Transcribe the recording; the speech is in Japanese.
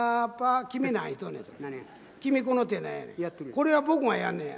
これは僕がやんねや。